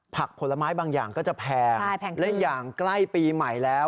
ผลไม้บางอย่างก็จะแพงและอย่างใกล้ปีใหม่แล้ว